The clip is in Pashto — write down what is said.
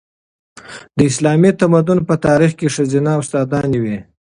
د اسلامي تمدن په تاریخ کې ښځینه استادانې وې.